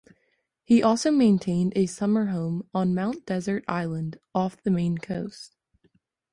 He also maintained a summer home on Mount Desert Island off the Maine coast.